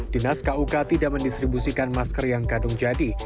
dinas kuk tidak mendistribusikan masker yang kadung jadi